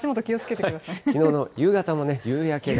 きのうの夕方も夕焼けが。